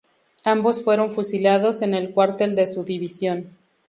Ambos fueron fusilados en el cuartel de su división.